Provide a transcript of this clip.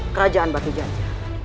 kerajaan batu janja